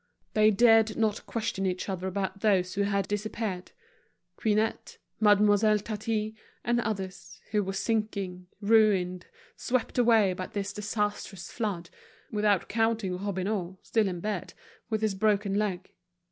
They dared not question each other about those who had disappeared, Quinette, Mademoiselle Tatin, and others, who were sinking, ruined, swept away by this disastrous flood; without counting Robineau, still in bed, with his broken leg.